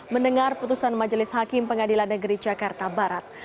mendengar putusan majelis hakim pengadilan negeri jakarta barat